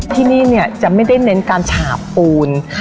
ที่นี่จะไม่ได้เน้นการฉาบปูน